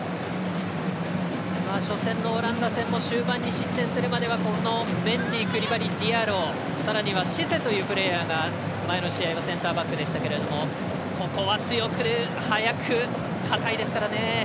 初戦のオランダ戦も終盤に失点するまではメンディ、クリバリ、ディアロさらにはシセというプレーヤーが前の試合はセンターバックでしたけれどもここは強く速く、堅いですからね。